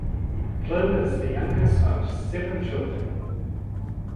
Flynn is the youngest of seven children.